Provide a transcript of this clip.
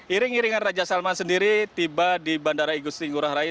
iring iringan raja salman sendiri tiba di bandara igusti ngurah rai